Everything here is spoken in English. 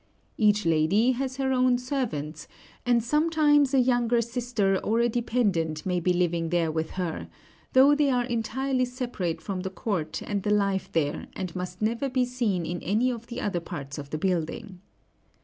Each lady has her own servants, and sometimes a younger sister or a dependent may be living there with her, though they are entirely separate from the court and the life there, and must never be seen in any of the other parts of the building.